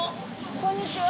こんにちは。